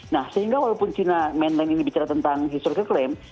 nah sehingga walaupun china mainline ini bicara tentang history kereklem